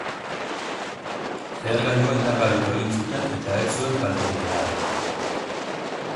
Lehergailua indargabetu egin zuten eta ez zuen kalterik eragin.